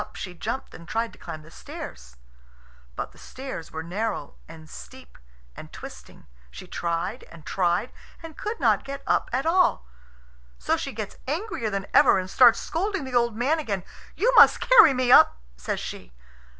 Up she jumped, and tried to climb the stairs. But the stairs were narrow and steep and twisting. She tried and tried, and could not get up at all. So she gets angrier than ever, and starts scolding the old man again. "You must carry me up," says she.